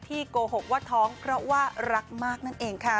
โกหกว่าท้องเพราะว่ารักมากนั่นเองค่ะ